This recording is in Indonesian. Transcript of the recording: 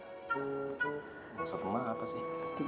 maksud emak apa sih